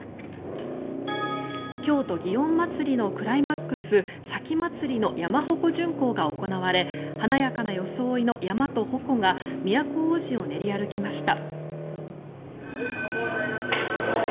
京都祇園祭のクライマックス前祭の山鉾巡行が行われ華やかな装いの山とほこが都大路を練り歩きました。